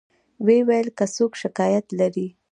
و یې ویل که څوک شکایت لري.